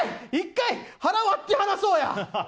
１回、腹割って話そうや！